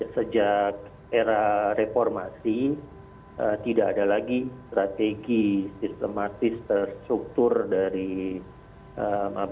sejak era reformasi tidak ada lagi strategi sistematis terstruktur dari pemerintah